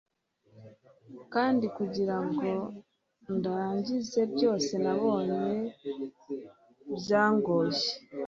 kandi kugirango ndangize byose nabonye byangoye